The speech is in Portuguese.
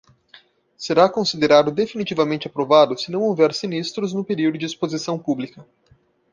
Será considerado definitivamente aprovado se não houver sinistros no período de exposição pública.